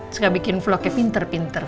suka bikin vlognya pinter pinter